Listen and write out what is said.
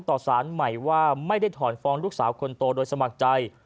ต่อสารใหม่ว่าไม่ได้ถอนฟ้องลูกสาวคนโตโดยสมัครใจ